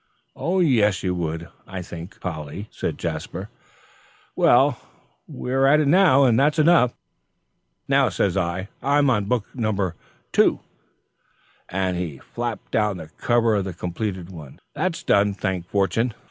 "Oh, yes, you would, I think, Polly," said Jasper. "Well, we are at it now, and that's enough. Now says I, I'm on book No. 2!" And he flapped down the cover of the completed one. "That's done, thank fortune!"